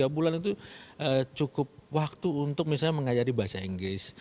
tiga bulan itu cukup waktu untuk misalnya mengajari bahasa inggris